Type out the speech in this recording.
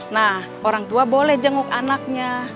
nah orang tua boleh jenguk anaknya